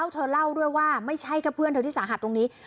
เธอเล่าด้วยว่าไม่ใช่แค่เพื่อนเธอที่สาหัสตรงนี้